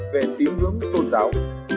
về tín hướng tôn giáo